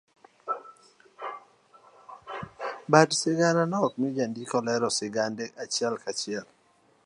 Bad sigana ni okmii jandiko seche moromo mar lero sigande achiel kachiel.